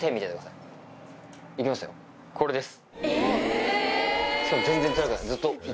これです。